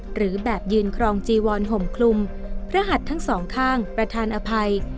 หรือแบบยืนครองจีวอนห่มคลุมพระหัดทั้งสองข้างประธานอภัย